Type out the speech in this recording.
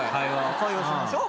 会話しましょう。